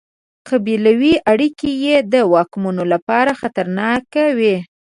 قبیلوي اړیکې یې د واکمنانو لپاره خطرناکې وې.